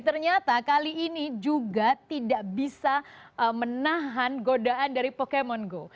ternyata kali ini juga tidak bisa menahan godaan dari pokemon go